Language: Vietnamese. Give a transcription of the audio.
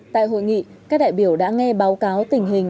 tại hội nghị các đại biểu đã nghe báo cáo tình hình